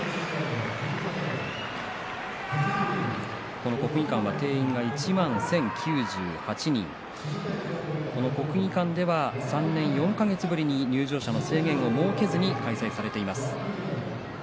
この国技館は定員が１万１０９８人この国技館では３年４か月ぶりに入場制限を設けずに開催されています。